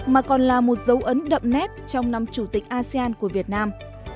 mà còn là một dấu ấn đậm nét trong năm chủ tịch asean của việt nam